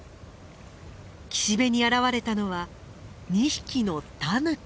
岸辺に現れたのは２匹のタヌキ。